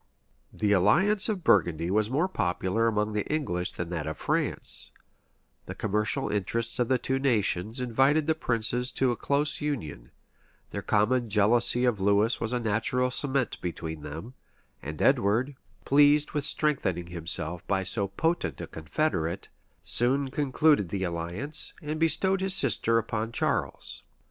{1468.} The alliance of Burgundy was more popular among the English than that of France; the commercial interests of the two nations invited the princes to a close union; their common jealousy of Lewis was a natural cement between them; and Edward, pleased with strengthening himself by so potent a confederate, soon concluded the alliance, and bestowed his sister upon Charles.